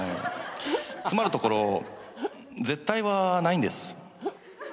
つまるところ「絶対」はないんです。